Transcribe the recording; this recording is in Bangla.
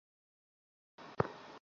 ধন্যবাদ, মিমি।